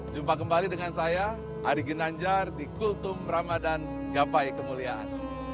jumpa kembali dengan saya ari ginanjar di kultum ramadhan gapai kemuliaan